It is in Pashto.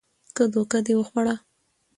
که دوکه دې وخوړه